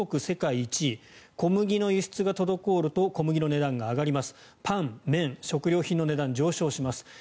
世界１位小麦の輸出が滞ると小麦の値段が上がりますパン、麺、食料品の値段が上昇します。